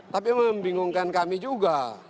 tapi membingungkan kami juga